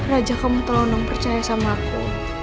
raja kamu tolong dong percaya sama aku